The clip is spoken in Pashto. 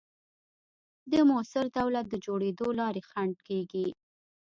د موثر دولت د جوړېدو د لارې خنډ کېږي.